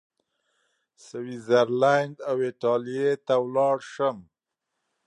سویس زرلینډ او ایټالیې ته ولاړ شم.